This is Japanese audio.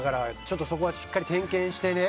そこはしっかり点検してね。